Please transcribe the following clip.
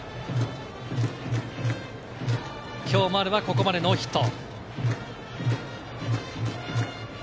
今日、丸はここまでノーヒット。